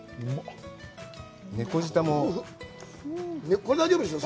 猫舌もこれ大丈夫でしょ？